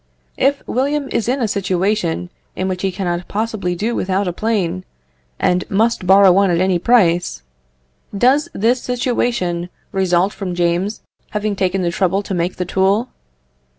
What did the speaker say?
If William is in a situation in which he cannot possibly do without a plane, and must borrow one at any price, does this situation result from James having taken the trouble to make the tool?